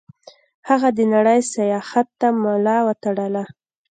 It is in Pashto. هغه د نړۍ سیاحت ته ملا وتړله.